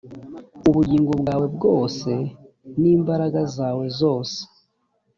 ubugingo bwawe bwose n imbaraga zawe zose